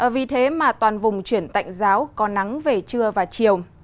vì thế mà toàn vùng chuyển tạnh giáo có nắng về trưa và chiều